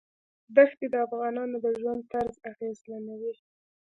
دښتې د افغانانو د ژوند طرز اغېزمنوي.